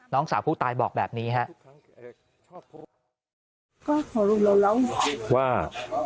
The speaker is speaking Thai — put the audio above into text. น้องสาวผู้ตายบอกแบบนี้ครับ